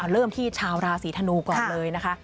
เริ่มที่ชาวราศีธนูก่อนเลยนะคะ